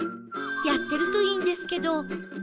やってるといいんですけど